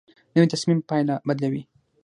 نوې تصمیم پایله بدلوي